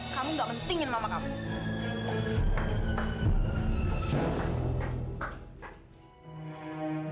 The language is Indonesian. kamu gak pentingin mama kamu